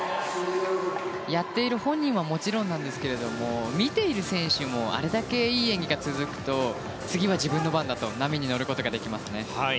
やっている本人はもちろんですが見ている選手もあれだけいい演技が続くと次は自分の番だと波に乗ることができますね。